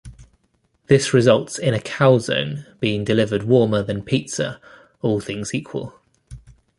This results in a calzone being delivered warmer than pizza all things equal.